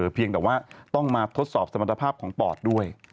เพียงแต่ว่าต้องมาทดสอบสมรรถภาพของปอดด้วย